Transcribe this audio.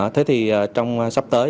thế thì trong sắp tới